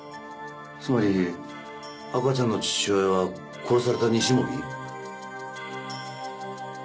つまり赤ちゃんの父親は殺された西森？